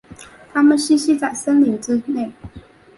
它们栖息在森林之内。